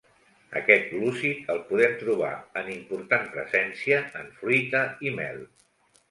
Aquest glúcid el podem trobar en important presència en fruita i mel.